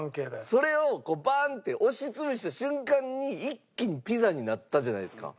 それをこうバーン！って押し潰した瞬間に一気にピザになったじゃないですか。